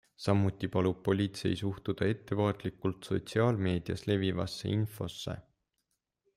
Samuti palub politsei suhtuda ettevaatlikult sotsiaalmeedias levivasse infosse.